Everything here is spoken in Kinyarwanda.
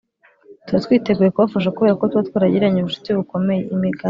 tuba twiteguye kubafasha kubera ko tuba twaragiranye ubucuti bukomeye Imigani